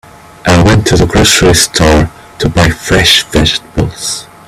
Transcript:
I went to the grocery store to buy fresh vegetables.